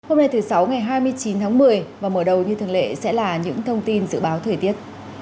hôm nay thứ sáu ngày hai mươi chín tháng một mươi và mở đầu như thường lệ sẽ là những thông tin dự báo thời tiết